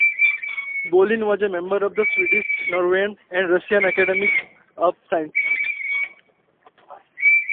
Bolin was a member of the Swedish, Norwegian and Russian Academies of Sciences.